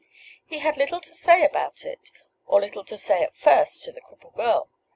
He had little to say about it or little to say at first to the crippled girl.